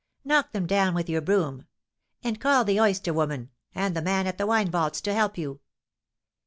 Knock them down with your broom! And call the oyster woman, and the man at the wine vaults, to help you!